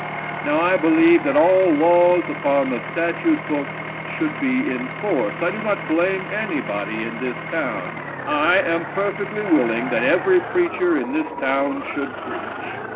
Now, I believe that all laws upon the statute book should be enforced. I do not blame anybody in this town. I am perfectly willing that every preacher in this town should preach.